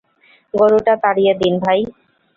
গরুটা তাড়িয়ে দিন ভাই।